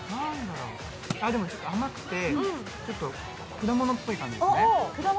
でもちょっと甘くて、果物っぽい感じですね。